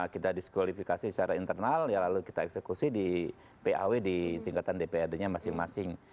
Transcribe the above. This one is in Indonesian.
kita diskualifikasi secara internal ya lalu kita eksekusi di paw di tingkatan dprd nya masing masing